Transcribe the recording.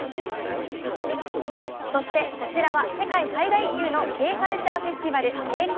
そして、こちらは世界最大級のＫカルチャーフェスティバルＫＣＯＮ。